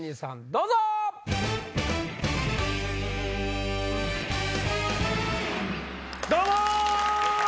どうも！